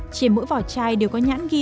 chỉ mỗi vỏ chai đều có nhãn ghi